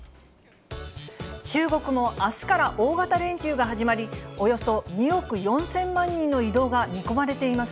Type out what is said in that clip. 中国もあすから大型連休が始まり、およそ２億４０００万人の移動が見込まれています。